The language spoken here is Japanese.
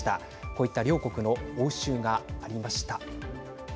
こういった両国の応酬がありました。